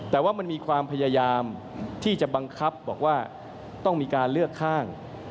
แต่ว่ามันมีความพยายามที่จะบังคับบอกว่าต้องมีการเลือกข้าง